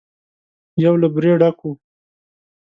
يو له بورې ډک و.